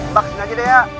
mbak kesini aja deh ya